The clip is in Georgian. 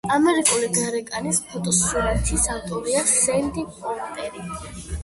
ამერიკული გარეკანის ფოტოსურათის ავტორია სენდი პორტერი.